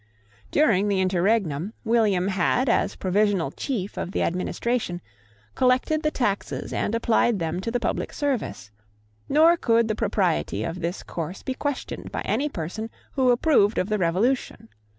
During the interregnum, William had, as provisional chief of the administration, collected the taxes and applied them to the public service; nor could the propriety of this course be questioned by any person who approved of the Revolution.